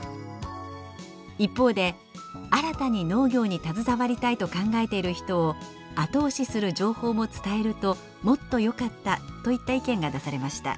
一方で「新たに農業に携わりたいと考えている人を後押しする情報も伝えるともっとよかった」といった意見が出されました。